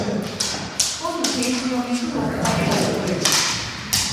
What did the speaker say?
本のページをめくる音だけが聞こえる。